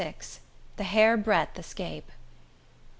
XXXVI. The Hairbreadth Escape.